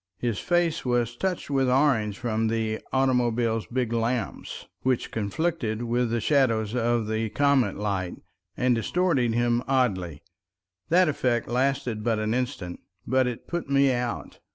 His face was touched with orange from the automobile's big lamps, which conflicted with the shadows of the comet light, and distorted him oddly. That effect lasted but an instant, but it put me out.